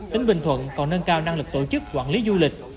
tỉnh bình thuận còn nâng cao năng lực tổ chức quản lý du lịch